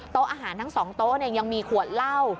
โต๊ะอาหารทั้งสองโต๊ะยังมีขวดเล่า